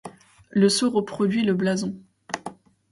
Le sceau reproduit le blason.